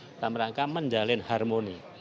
kita merangkang menjalin harmoni